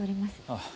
ああ。